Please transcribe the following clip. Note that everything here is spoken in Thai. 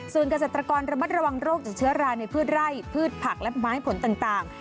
ส่วนเกษตรกรระมัดระวังโรคจากเชื้อราในพืชไร่พืชผักและไม้ผลต่าง